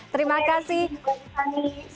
terima kasih fanny